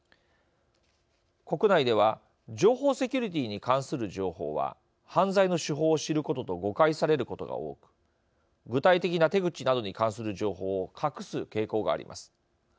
国内では、情報セキュリティーに関する情報は犯罪の手法を知ることと誤解されることが多く具体的な手口などに関する情報を隠す傾向があります。